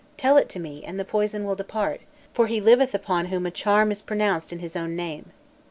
Tell it to me and the poison will depart; for he liveth upon whom a charm is pronounced in his own name."